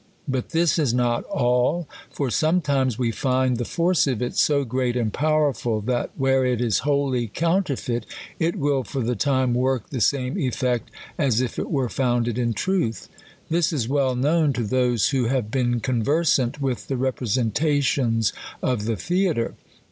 But this is not all ; for sometimes we find the force of it so great and powerful, that, where it is wholly counterfeit, it will for the time work the same effect as if it were founded in truth. This is well known to those who have been conversant with the representations of the theatre.